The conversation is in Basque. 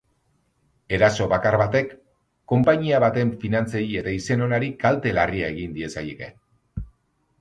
Eraso bakar batek konpainia baten finantzei eta izen onari kalte larria egin diezaieke.